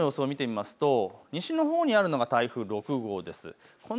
雲の様子を見てみると西のほうにあるのが台風６号です。